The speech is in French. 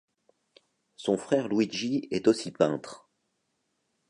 Son frère Luigi est aussi peintre.